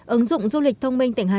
ứng dụng du lịch thông minh tỉnh hà nam